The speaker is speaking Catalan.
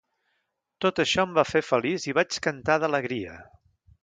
Tot això em va fer feliç i vaig cantar d'alegria.